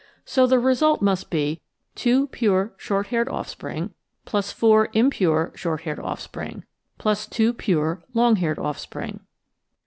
So the result must be two pure short haired offspring, plus four impure short haired offspring, plus two pure long haired offspring.